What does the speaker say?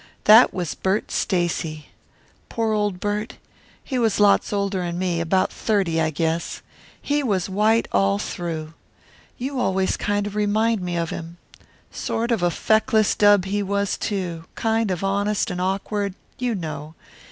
That was Bert Stacy. Poor old Bert! He was lots older than me; about thirty, I guess. He was white all through. You always kind of remind me of him. Sort of a feckless dub he was, too; kind of honest and awkward you know.